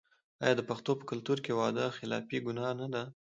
آیا د پښتنو په کلتور کې وعده خلافي ګناه نه ده؟